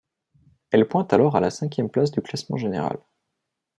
Elle pointe alors à la cinquième place du classement général.